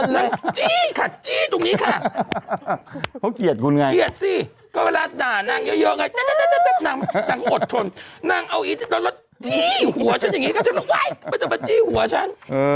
และจี้หัวฉันอย่างนี้เขาจะบอกว่าไม่แตะไปจี้หัวฉัน